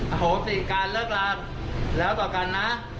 อ้าโฮศิกรรมเลิกลากแล้วต่อกันนะ